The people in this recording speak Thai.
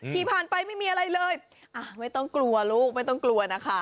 ขี่ผ่านไปไม่มีอะไรเลยอ่ะไม่ต้องกลัวลูกไม่ต้องกลัวนะคะ